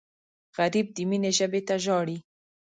غریب د مینې ژبې ته ژاړي